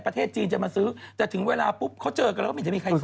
ประเทศจีนจะมาซื้อแต่ถึงเวลาปุ๊บเขาเจอกันแล้วก็ไม่เห็นจะมีใครซื้อ